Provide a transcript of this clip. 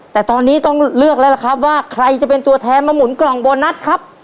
แต่ตอนนี้ต้องเลือกแล้วล่ะครับว่าใครจะเป็นตัวแทนมาหมุนกล่องโบนัสครับ